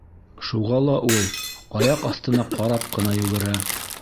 Шуға ла ул аяҡ аҫтына ҡарап ҡына йүгерә.